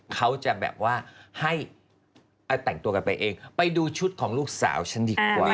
เขาจะแบบว่าให้แต่งตัวกันไปเองไปดูชุดของลูกสาวฉันดีกว่า